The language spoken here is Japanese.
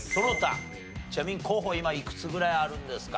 ちなみに候補今いくつぐらいあるんですか？